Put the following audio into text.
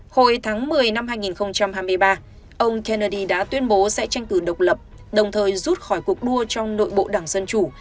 hồi tháng một mươi năm hai nghìn hai mươi ba ông kennedy đã tuyên bố sẽ tranh cử độc lập đồng thời rút khỏi cuộc đua trong nội bộ đảng dân chủ